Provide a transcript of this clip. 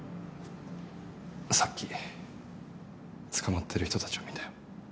さっき捕まってる人たちを見たよ。